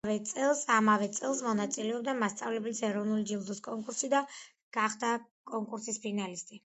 ამავე წელს მონაწილეობდა მასწავლებლის ეროვნული ჯილდოს კონკურსში და გახდა კონკურსის ფინალისტი.